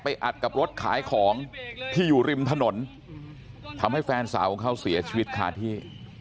อัดกับรถขายของที่อยู่ริมถนนทำให้แฟนสาวของเขาเสียชีวิตคาที่